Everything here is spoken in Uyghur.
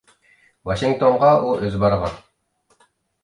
ۋاشىنگتونغا ئۇ ئۆزى بارغان.